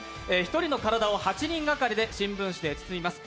１人の体を８人がかりで新聞紙で包みます。